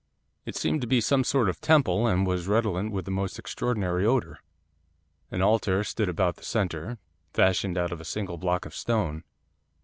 It seemed to be some sort of temple, and was redolent with the most extraordinary odour. An altar stood about the centre, fashioned out of a single block of stone.